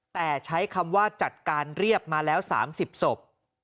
แต่ใช้คำว่าจัดการเรียบมาแล้ว๓๐ศพ